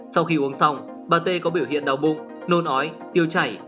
sau khi uống xong bà tê có biểu hiện đau bụng nôn ói tiêu chảy